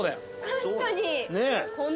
確かに。